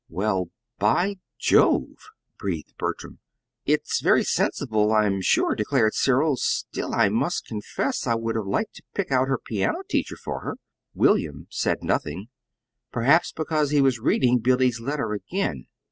"Well, by Jove!" breathed Bertram. "It's very sensible, I'm sure," declared Cyril. "Still, I must confess, I would have liked to pick out her piano teacher for her." William said nothing perhaps because he was reading Billy's letter again.